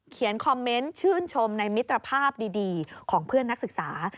คอมเมนต์ชื่นชมในมิตรภาพดีของเพื่อนนักศึกษา